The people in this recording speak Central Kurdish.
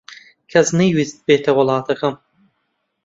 کەس نەیویست بێتە وڵاتەکەم.